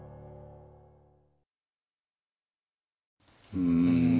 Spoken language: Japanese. うん。